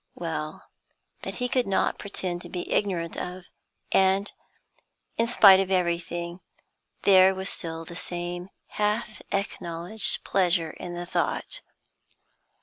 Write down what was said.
Well, that he could not pretend to be ignorant of, and, in spite of everything, there was still the same half acknowledged pleasure in the thought.